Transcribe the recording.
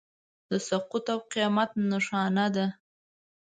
د سقوط او قیامت نښانه ده.